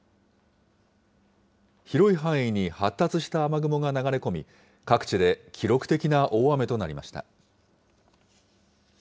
広い範囲に発達した雨雲が流れ込み、各地で記録的な大雨となりました。